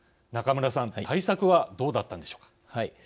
中村さん対策はどうだったのでしょうか。